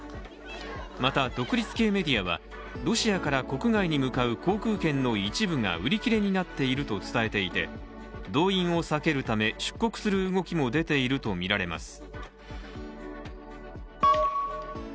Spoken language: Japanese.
また独立系メディアは、ロシアから国外に向かう航空券の一部が売り切れになっていると伝えていて動員を避けるため、出国する動きも出ているとみられます。